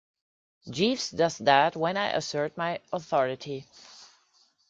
Jeeves does that when I assert my authority.